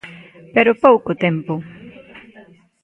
Pero pouco tempo.